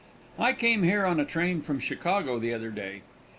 I came here on a train from Chicago the other day.